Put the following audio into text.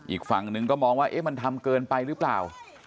อีกฝั่งหนึ่งก็มองว่ามันทำเกินไปหรือเปล่า